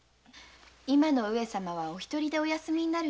今の上様はお一人でお休みになるのです。